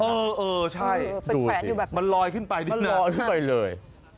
เออใช่มันลอยขึ้นไปเลย